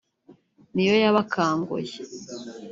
ni yo yabakanguye»